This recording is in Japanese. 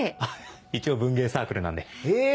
一応文芸サークルなんで。え！